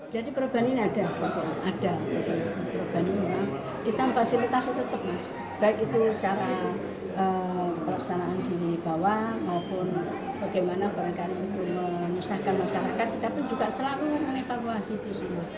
cara perusahaan di bawah maupun bagaimana perangkat itu mengusahakan masyarakat kita pun juga selalu menepak wawas itu